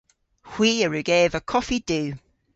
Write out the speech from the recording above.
Hwi a wrug eva koffi du.